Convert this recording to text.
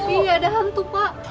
iya ada hantu pak